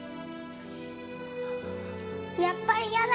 やっぱりやだ！